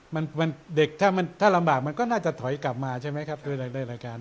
มันมันเด็กถ้ามันถ้าลำบากมันก็น่าจะถอยกลับมาใช่ไหมครับเรื่อยเรื่อยเรื่อยรายการเลยน่ะ